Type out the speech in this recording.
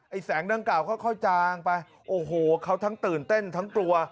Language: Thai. แสงดังกล่าค่อยจางไปโอ้โหเขาทั้งตื่นเต้นทั้งกลัว